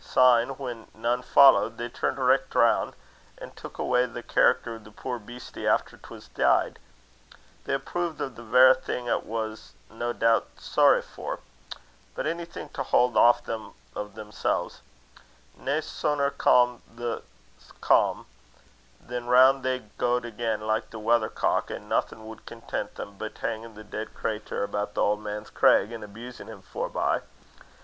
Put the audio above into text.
Syne when nane followed, they turned richt roun', an' took awa' the character o' the puir beastie efter 'twas deid. They appruved o' the verra thing 'at he was nae doot sorry for. But onything to haud aff o' themsels! Nae suner cam the calm, than roun' they gaed again like the weathercock, an' naething wad content them bit hingin' the deid craytur about the auld man's craig, an' abusin' him forby.